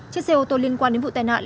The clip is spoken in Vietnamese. chiếc xe ô tô liên quan đến vụ tai nạn